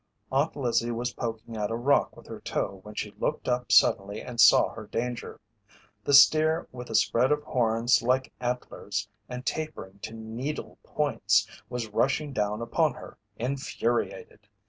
Aunt Lizzie was poking at a rock with her toe when she looked up suddenly and saw her danger. The steer with a spread of horns like antlers and tapering to needle points was rushing down upon her, infuriated.